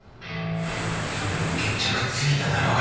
それもう決着ついただろうが。